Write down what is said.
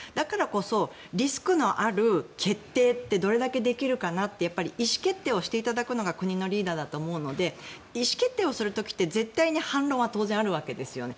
だからこそリスクのある決定ってどれだけできるかなって意思決定をしていただくのが国のリーダーだと思うので意思決定をする時って、絶対に反論は当然あるわけですよね。